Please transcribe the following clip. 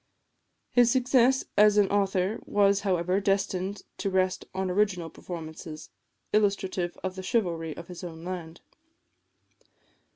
His success as an author was, however, destined to rest on original performances, illustrative of the chivalry of his own land.